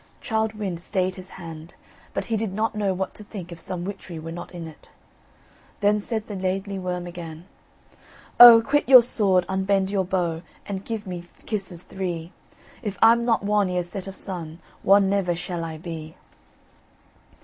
Childe Wynd stayed his hand, but he did not know what to think if some witchery were not in it. Then said the Laidly Worm again: "O, quit your sword, unbend your bow, And give me kisses three, If I'm not won ere set of sun, Won never shall I be."